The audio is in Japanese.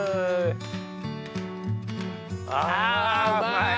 あうまい！